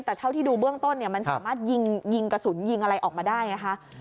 แต่เท่าที่ดูเบื้องต้นเนี่ยมันสามารถยิงกระสุนยิงอะไรออกมาได้ไงคะ